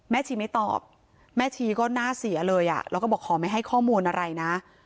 ชีไม่ตอบแม่ชีก็น่าเสียเลยแล้วก็บอกขอไม่ให้ข้อมูลอะไรนะ